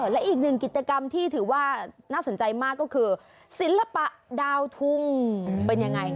และอีกหนึ่งกิจกรรมที่ถือว่าน่าสนใจมากก็คือศิลปะดาวทุ่งเป็นยังไง